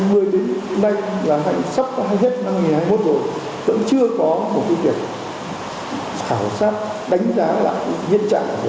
cũng chưa có một kế hoạch khảo sát đánh giá lại nhiên trạng của lâm yên